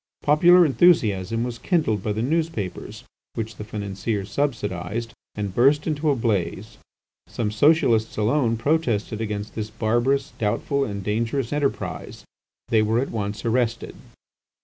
Popular enthusiasm was kindled by the newspapers which the financiers subsidised, and burst into a blaze. Some Socialists alone protested against this barbarous, doubtful, and dangerous enterprise. They were at once arrested.